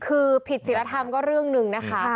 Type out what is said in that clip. คือผิดศิลธรรมก็เรื่องหนึ่งนะคะ